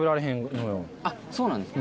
あっそうなんですね。